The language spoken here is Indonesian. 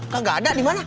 kagak ada dimana